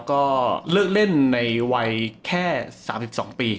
ก็เลิกเล่นในวัยแค่๓๒ปี